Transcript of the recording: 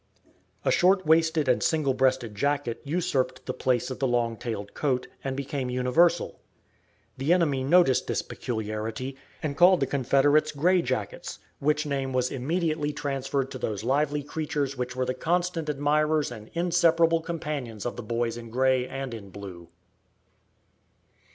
A short waisted and single breasted jacket usurped the place of the long tailed coat, and became universal. The enemy noticed this peculiarity, and called the Confederates gray jackets, which name was immediately transferred to those lively creatures which were the constant admirers and inseparable companions of the Boys in Gray and in Blue.